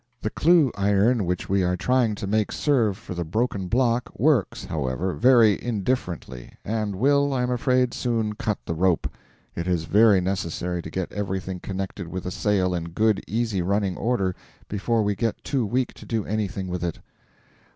The clue iron which we are trying to make serve for the broken block works, however, very indifferently, and will, I am afraid, soon cut the rope. It is very necessary to get everything connected with the sail in good easy running order before we get too weak to do anything with it.